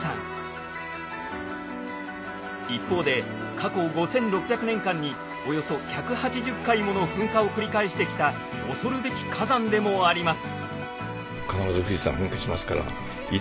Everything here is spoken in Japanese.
一方で過去５，６００年間におよそ１８０回もの噴火を繰り返してきた恐るべき火山でもあります。